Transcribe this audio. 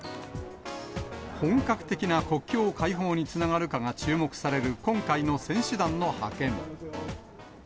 本格的な国境開放につながるかが注目される今回の選手団の派遣。